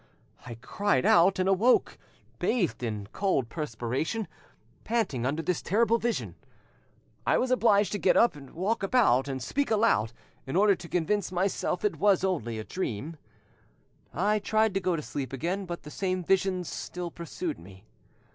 I cried out and awoke, bathed in cold perspiration, panting under this terrible vision. I was obliged to get up, walk about, and speak aloud, in order to convince myself it was only a dream. I tried to go to sleep again, but the same visions still pursued me.